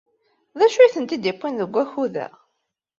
D acu ay tent-id-yewwin deg wakud-a?